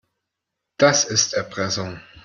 Das ist Erpressung.